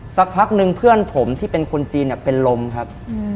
สักพักนึงเพื่อนผมที่เป็นคนจีนเป็นลมครับ